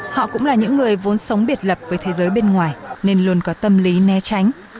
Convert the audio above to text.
họ cũng là những người vốn sống biệt lập với thế giới bên ngoài nên luôn có tâm lý né tránh